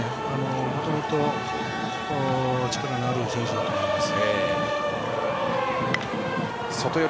もともと力のある選手だと思います。